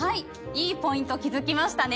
いいポイント気付きましたね。